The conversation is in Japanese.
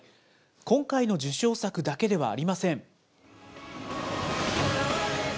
今回の受賞作だけではありません。